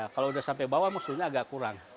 kalau sudah sampai bawah musuhnya agak kurang